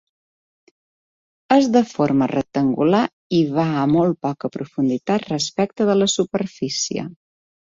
És de forma rectangular i va a molt poca profunditat respecte de la superfície.